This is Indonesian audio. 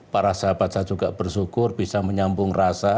para sahabat saya juga bersyukur bisa menyambung rasa